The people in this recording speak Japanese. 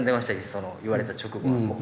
その言われた直後はもう。